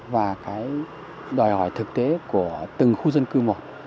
và cái đòi hỏi thực tế của từng khu dân cư một